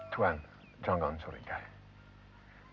tuhan jangan suruh saya